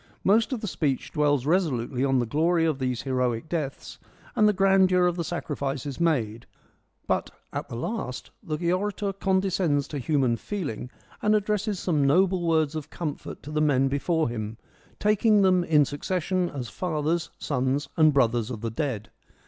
Most of the speech dwells resolutely on the glory of these heroic deaths and the grandeur of the sacrifices made, but at the last the orator condescends to human feeling and ad dresses some noble words of comfort to the men before him, taking them in succession as fathers, sons, and brothers of the dead.